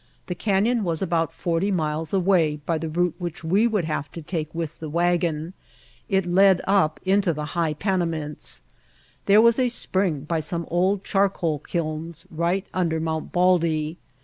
The Canyon was about forty miles away by the route which we would have to take with the wagon. It led up into the high Panamints. There was a spring by some old charcoal kilns right under Mt. Baldy.